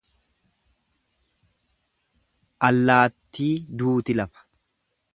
Allaattii duuti lafa.